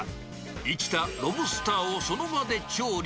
生きたロブスターをその場で調理。